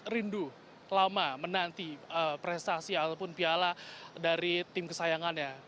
rindu lama menanti prestasi ataupun piala dari tim kesayangannya